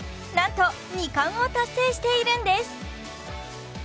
なんと２冠を達成しているんです